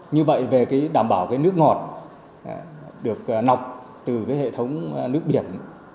như vậy về đảm bảo cái nước ngọt được nọc từ hệ thống nước biển